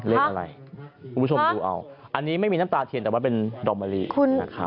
เลขอะไรคุณผู้ชมดูเอาอันนี้ไม่มีน้ำตาเทียนแต่ว่าเป็นดอกมะลิ